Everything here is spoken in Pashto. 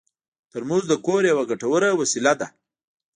ترموز د کور یوه ګټوره وسیله ده.